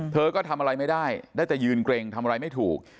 เธอก็ทำอะไรไม่ได้ได้แต่ยืนเกร็งทำอะไรไม่ถูก